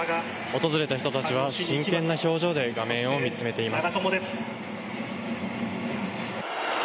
訪れた人たちは真剣な表情で画面を見つめています。